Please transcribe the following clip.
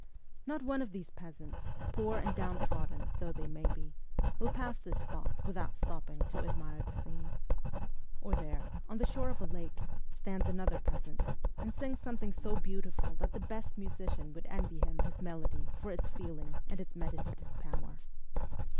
Not one of these peasants, poor and downtrodden though they may be, will pass this spot without stopping to admire the scene. Or there, on the shore of a lake, stands another peasant, and sings something so beautiful that the best musician would envy him his melody for its feeling and its meditative power.